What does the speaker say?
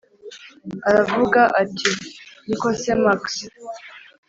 aravuga ati: niko se max,